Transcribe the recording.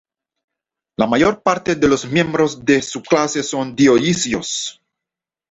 La mayor parte de los miembros de subclase son dioicos.